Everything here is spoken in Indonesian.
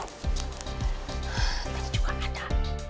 tadi juga ada